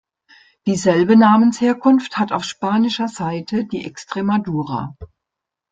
Dieselbe Namensherkunft hat auf spanischer Seite die Extremadura.